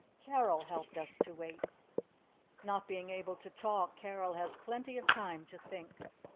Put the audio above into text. Carol helped us to wait. Not being able to talk, Carol has plenty of time to think.